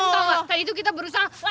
tau gak tadi itu kita berusaha